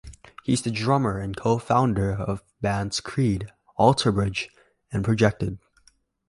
He is the drummer and co-founder of the bands Creed, Alter Bridge, and Projected.